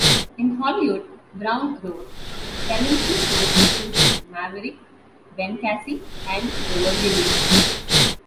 In Hollywood, Browne wrote for television shows including "Maverick", "Ben Casey", and "The Virginian".